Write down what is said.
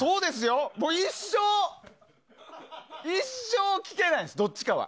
もう一生聴けないんですどっちかは。